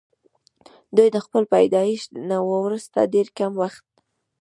دوي د خپل پيدائش نه وروستو ډېر کم وخت